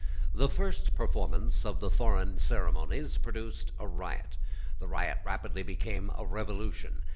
The first performance of the foreign ceremonies produced a riot. The riot rapidly became a revolution.